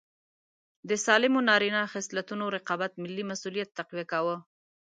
د سالمو نارینه خصلتونو رقابت ملي مسوولیت تقویه کاوه.